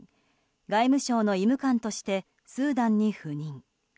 外務省の医務官としてスーダンに赴任。